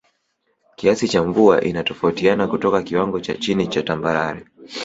Kiasi cha mvua inatofautiana kutoka kiwango cha chini cha Tambarare